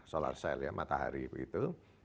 solar cell ya matahari begitu